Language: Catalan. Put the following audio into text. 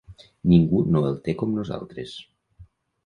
Ningú no el té com nosaltres.